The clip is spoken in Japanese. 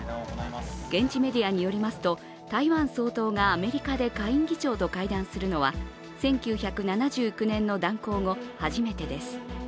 現地メディアによりますと台湾総統がアメリカで下院議長と会談するのは１９７９年の断交後、初めてです。